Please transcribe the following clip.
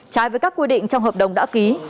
trái với các quy định trong hợp đồng đã ký